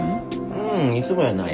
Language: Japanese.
ううんいつもやないよ。